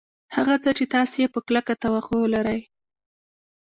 هغه څه چې تاسې یې په کلکه توقع لرئ